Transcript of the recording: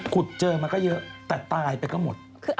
ขุดเจอมาก็เยอะแต่ตายไปก็หมด